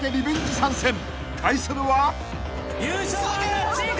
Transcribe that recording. ［対するは］